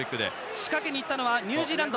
仕掛けにいったのはニュージーランド。